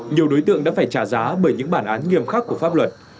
nhiều đối tượng đã phải trả giá bởi những bản án nghiêm khắc của pháp luật